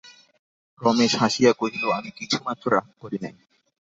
রমেশ হাসিয়া কহিল, আমি কিছুমাত্র রাগ করি নাই।